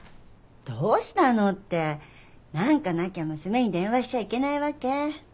「どうしたの？」ってなんかなきゃ娘に電話しちゃいけないわけ？